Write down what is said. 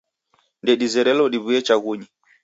Ndedizerelo diw'uye chaghunyi.